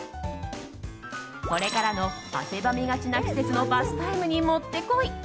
これからの汗ばみがちな季節のバスタイムにもってこい！